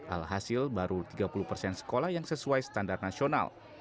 alhasil baru tiga puluh persen sekolah yang sesuai standar nasional